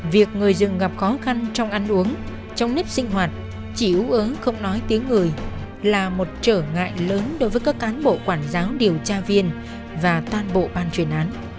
việc người rừng gặp khó khăn trong ăn uống trong nếp sinh hoạt chỉ ú không nói tiếng người là một trở ngại lớn đối với các cán bộ quản giáo điều tra viên và toàn bộ ban truyền án